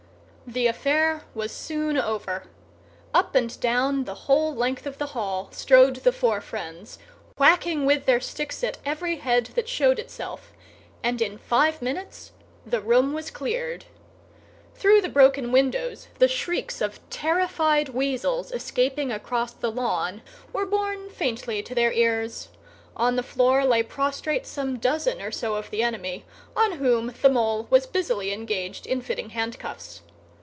The affair was soon over. Up and down, the whole length of the hall, strode the four Friends, whacking with their sticks at every head that showed itself; and in five minutes the room was cleared. Through the broken windows the shrieks of terrified weasels escaping across the lawn were borne faintly to their ears; on the floor lay prostrate some dozen or so of the enemy, on whom the Mole was busily engaged in fitting handcuffs.